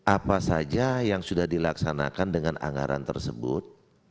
apa saja yang sudah dilaksanakan dengan anggaran tersebut